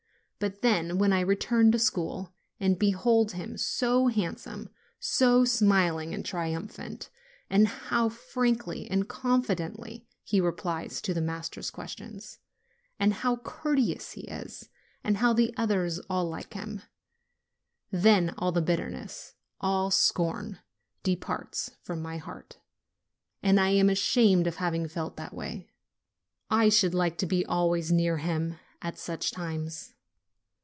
But then, when I re turn to school, and behold him so handsome, so smiling and triumphant, and hear how frankly and confidently he replies to the master's questions, and how courteous he is, and how the others all like him, then all the bit terness, all scorn, departs from my heart, and I am ashamed of having felt that way. I should like to be always near him at such times.